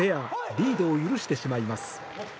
リードを許してしまいます。